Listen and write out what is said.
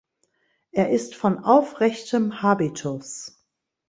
Er ist von aufrechtem Habitus.